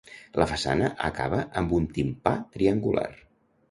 La façana acaba amb un timpà triangular.